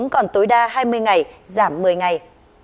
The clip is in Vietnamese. còn tối đa hai mươi ngày giảm một mươi ngày